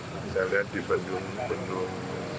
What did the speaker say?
saya lihat di benung benung